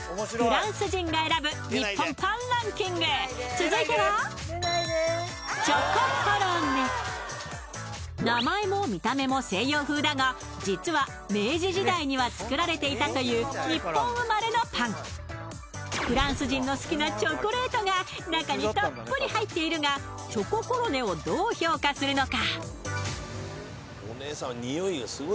続いては名前も見た目も西洋風だが実は明治時代には作られていたという日本生まれのパンフランス人の好きなチョコレートが中にたっぷり入っているがチョココロネをどう評価するのか？